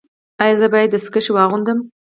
ایا زه باید دستکشې واغوندم؟